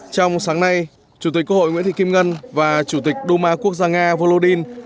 trong sáng nay chủ tịch quốc hội nguyễn thị kim ngân và chủ tịch duma quốc gia nga volodin